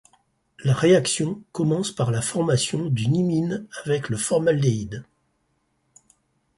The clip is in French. La réaction commence par la formation d'une imine avec le formaldéhyde.